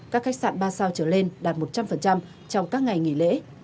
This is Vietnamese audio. các khách sạn ba sao trở lên đạt một trăm linh trong các ngày nghỉ lễ